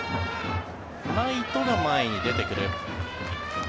ライトが前に出てくる。